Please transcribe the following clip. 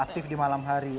aktif di malam hari